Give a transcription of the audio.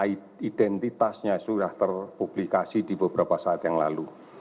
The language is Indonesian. yang identitasnya sudah terpublikasi di beberapa saat yang lalu